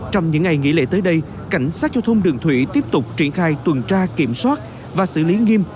trong những ngày nghỉ lễ tới đây cảnh sát giao thông đường thủy tiếp tục triển khai tuần tra kiểm soát và xử lý nghiêm